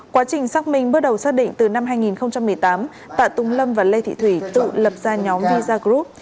quá trình xác minh bước đầu xác định từ năm hai nghìn một mươi tám tạ tùng lâm và lê thị thủy tự lập ra nhóm visa group